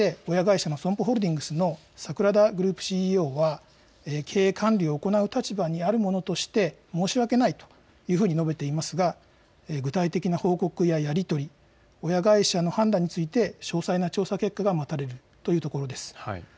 会見で親会社のＳＯＭＰＯホールディングスの櫻田グループＣＥＯは経営管理を行う立場にあるものとして申し訳ないというふうに述べていますが具体的な報告ややり取り、親会社の判断について詳細な調査結果が待たれるというところです。